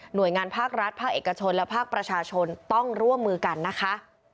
โดยงานภาครัฐภาคเอกชนและภาคประชาชนต้องร่วมมือกันนะคะ